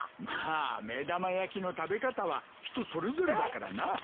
まあ目玉焼きの食べ方は人それぞれだからな。